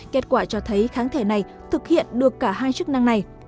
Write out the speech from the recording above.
kết quả cho thấy kháng thể này thực hiện được cả hai chức năng này